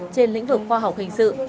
trên lĩnh vực khoa học hình sự